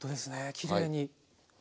きれいに。